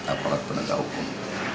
aparat penegak hukum